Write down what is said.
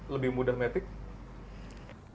lebih mudah matic